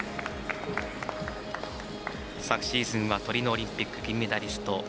昨シーズンはトリノオリンピック銀メダリスト